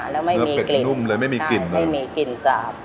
แล้วไม่มีกลิ่นเนื้อเป็ดนุ่มเลยไม่มีกลิ่นเลยใช่ไม่มีกลิ่นซาบ